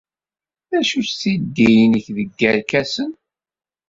D acu-tt tiddi-nnek deg yerkasen?